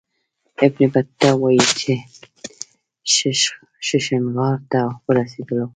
ابن بطوطه وايي چې ششنغار ته ورسېدلو.